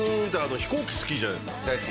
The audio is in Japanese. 飛行機好きじゃないですか。